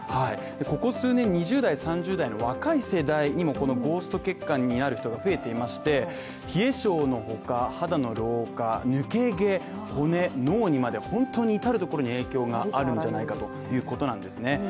ここ数年２０代３０代の若い世代にもこのゴースト血管になる人が増えていまして、冷え性のほか、肌の老化、抜け毛まで本当にいたるところに影響があるんじゃないかということなんですね。